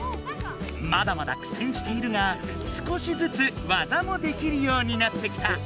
まだまだくせんしているが少しずつ技もできるようになってきた。